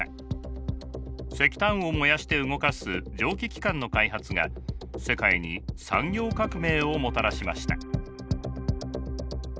石炭を燃やして動かす蒸気機関の開発が世界に産業革命をもたらしました。